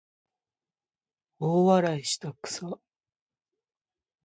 大笑いしたくさ